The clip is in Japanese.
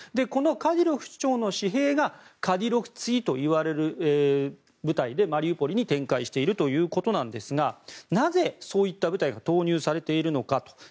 このカディロフ首長の私兵がカディロフツィといわれる部隊でマリウポリに展開しているということなんですがなぜそういった部隊が投入されているのかと。